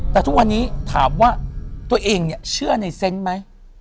แต่ทุกวันนี้ถามว่าตัวเองเนี่ยเชื่อในเซนต์ไหม